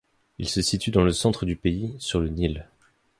Il se situe dans le centre du pays, sur le Nil.